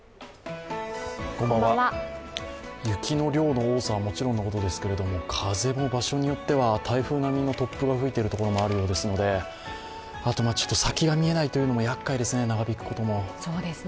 雪の量の多さはもちろんのことですけれども、風も場所によっては台風並みの突風が吹いているところもあるようで、あと先が見えないというのもやっかいですね、長引くことも。